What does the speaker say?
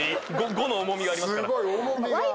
５の重みがありますから。